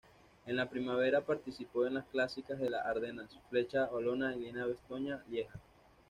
En la primavera participó en las Clásicas de las Ardenas: Flecha Valona y Lieja-Bastoña-Lieja.